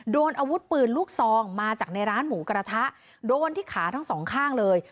โดนอาวุธปืนลูกซองมาจากในร้านหมูกระทะโดนที่ขาทั้งสองข้างเลย